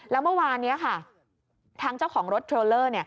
แล้วเมื่อวานนี้ค่ะทางเจ้าของรถเทรลเลอร์